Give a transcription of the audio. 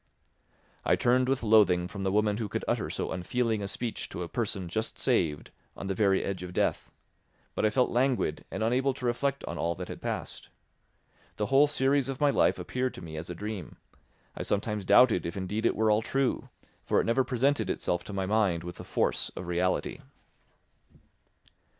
I turned with loathing from the woman who could utter so unfeeling a speech to a person just saved, on the very edge of death; but I felt languid and unable to reflect on all that had passed. The whole series of my life appeared to me as a dream; I sometimes doubted if indeed it were all true, for it never presented itself to my mind with the force of reality.